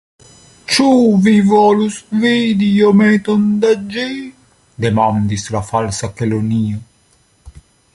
"Ĉu vi volus vidi iometon da ĝi?" demandis la Falsa Kelonio.